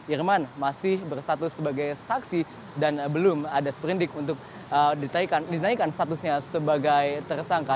irman masih berstatus sebagai saksi dan belum ada seperindik untuk dinaikkan statusnya sebagai tersangka